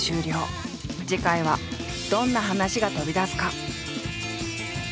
次回はどんな話が飛び出すか？